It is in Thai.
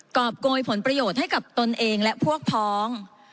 รอบโกยผลประโยชน์ให้กับตนเองและพวกพ้อง